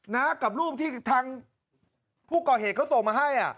นะกับรูปที่ทางผู้ก่อเหตุเขาส่งมาให้